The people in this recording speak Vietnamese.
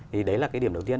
thì đấy là cái điểm đầu tiên